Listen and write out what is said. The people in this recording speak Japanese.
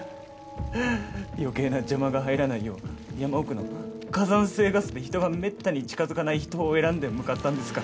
余計な邪魔が入らないよう山奥の火山性ガスで人がめったに近づかない秘湯を選んで向かったんですから。